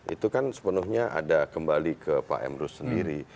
itu kan sepenuhnya ada kembali ke pak emrus sendiri